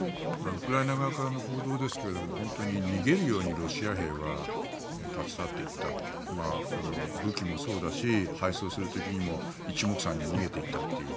ウクライナ側からの報道ですが本当に逃げるようにロシア兵は立ち去って行った武器もそうだし敗走する時にも一目散に逃げていったという。